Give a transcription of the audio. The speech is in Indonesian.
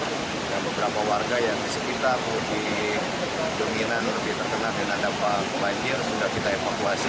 dan beberapa warga yang di sekitar di bendungan lebih terkena dengan dampak banjir